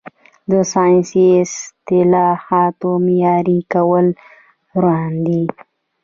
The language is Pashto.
د ساینسي اصطلاحاتو معیاري کول روان دي.